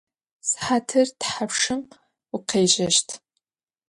Сыхьатыр тхьапшым укъежьэщт?